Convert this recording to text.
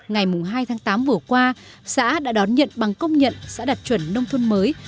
ngày hai tháng tám vừa qua xã đã đón nhận bằng công nhận xã đạt chuẩn nông thôn mới